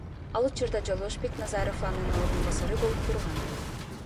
Ал учурда Жолдошбек Назаров анын орун басары болуп турган.